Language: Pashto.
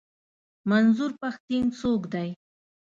منظور پښتين څوک دی؟